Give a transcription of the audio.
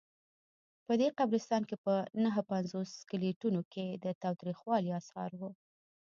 په دې قبرستان کې په نههپنځوس سکلیټونو کې د تاوتریخوالي آثار وو.